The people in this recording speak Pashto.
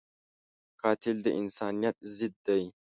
قاتل د انسانیت ضد دی